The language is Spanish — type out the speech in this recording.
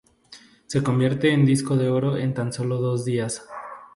Se convierte en disco de oro en tan sólo dos días.